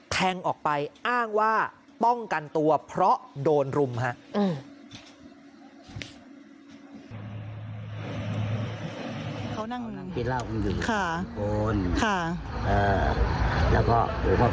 แทงออกไปอ้างว่าป้องกันตัวเพราะโดนรุมครับ